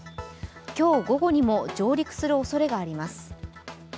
今日午後にも上陸するおそれがあります。